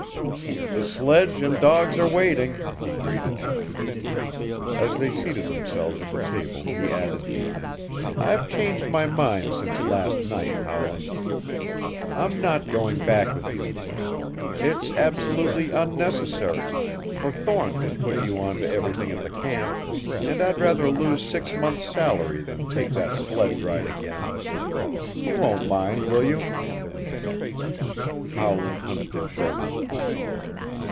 "The sledge and dogs are waiting," he greeted. As they seated themselves at the table he added, "I've changed my mind since last night, Howland. I'm not going back with you. It's absolutely unnecessary, for Thorne can put you on to everything at the camp, and I'd rather lose six months' salary than take that sledge ride again. You won't mind, will you?" Howland hunched his shoulders.